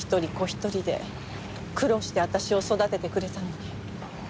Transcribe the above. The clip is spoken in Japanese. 一人で苦労して私を育ててくれたのに。